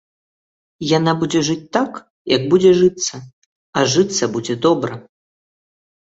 Яна будзе жыць так, як будзе жыцца, а жыцца будзе добра.